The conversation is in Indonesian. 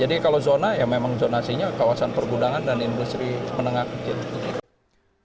jadi kalau zona ya memang zonasinya kawasan pergudangan dan industri menengah kecil